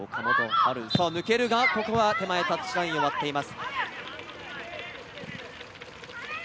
青、抜けるがここは手前タッチラインを割っています。